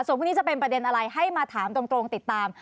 ส่วนพรุ่งนี้จะเป็นประเด็นอะไรให้มาถามตรงติดตาม